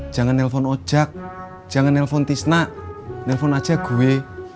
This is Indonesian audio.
jangan nelfon ojak jangan nelfon tisna nelfon aja gue